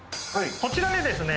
こちらにですね